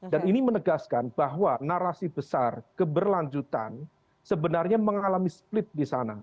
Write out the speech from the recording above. dan ini menegaskan bahwa narasi besar keberlanjutan sebenarnya mengalami split disana